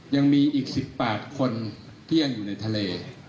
ยังมีอีก๑๘คนที่ยังอยู่ในทะเล